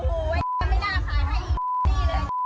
โอ้โหไอ้ไม่น่าขายให้ไอ้นี่เลย